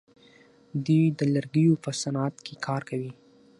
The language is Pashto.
دوی د لرګیو په صنعت کې کار کوي.